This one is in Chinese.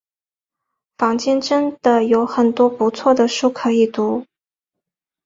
坊间真的有很多不错的书可以读